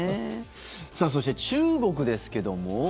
そして、中国ですけども。